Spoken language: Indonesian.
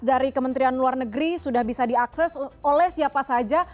dari kementerian luar negeri sudah bisa diakses oleh siapa saja